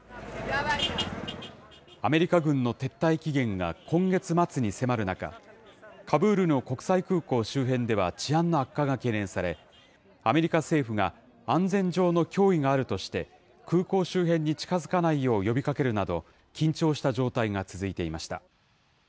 アメリカ軍の撤退期限が今月末に迫る中、カブールの国際空港周辺では治安の悪化が懸念され、アメリカ政府が安全上の脅威があるとして、空港周辺に近づかないよう呼びかけるなど、緊張した状態が続いていました。